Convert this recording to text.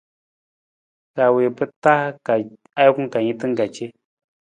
Ra wii pa taa ka ajukun tan ka ce.